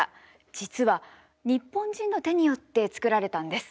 実は日本人の手によって作られたんです。